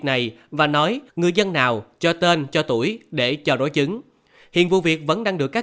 này và nói người dân nào cho tên cho tuổi để cho đối chứng hiện vụ việc vẫn đang được các